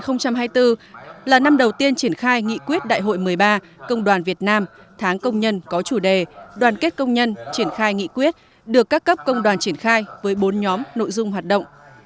năm hai nghìn hai mươi bốn là năm đầu tiên triển khai nghị quyết đại hội một mươi ba công đoàn việt nam tháng công nhân có chủ đề đoàn kết công nhân triển khai nghị quyết được các cấp công đoàn triển khai với bốn nhóm nội dung hoạt động